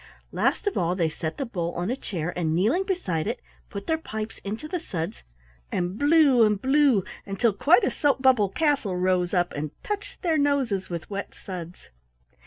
Last of all they set the bowl on a chair, and kneeling beside it put their pipes into the suds, and blew and blew until quite a soap bubble castle rose up and touched their noses with wet suds.